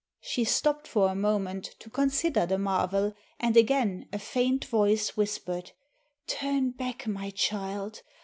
She stopped for a moment to consider the marvel and again a faint voice whispered, "Turn back, my child!